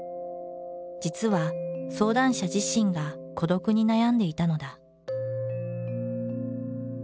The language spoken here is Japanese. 実は相談者自身が孤独に悩んでいたのだ。